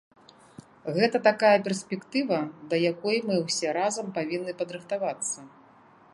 Гэта такая перспектыва, да якой мы ўсе разам павінны падрыхтавацца.